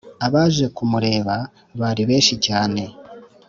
Abaje ku mureba bari benshi cyane